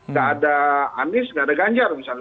nggak ada anies nggak ada ganjar misalnya